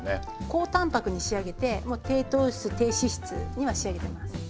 高タンパクに仕上げてもう低糖質低脂質には仕上げてます。